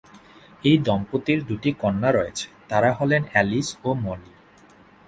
এই দম্পতির দুই কন্যা রয়েছে, তারা হলেন অ্যালিস ও মলি।